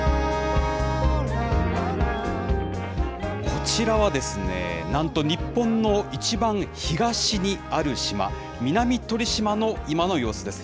こちらは、なんと日本のいちばん東にある島、南鳥島の今の様子です。